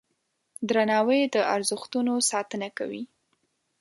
درناوی د ارزښتونو ساتنه کوي.